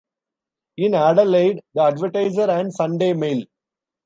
In Adelaide, "The Advertiser" and "Sunday Mail".